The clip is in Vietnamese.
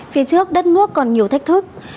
phía trước đất nước còn nhiều thách thức